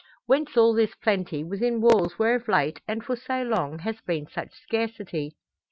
Whence all this plenty, within walls where of late and for so long, has been such scarcity?